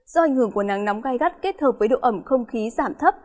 do ảnh hưởng của nắng nóng gai gắt kết hợp với độ ẩm không khí giảm thấp